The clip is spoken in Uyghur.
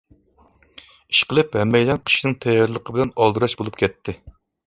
ئىشقىلىپ، ھەممەيلەن قىشنىڭ تەييارلىقى بىلەن ئالدىراش بولۇپ كەتتى.